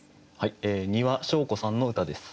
丹羽祥子さんの歌です。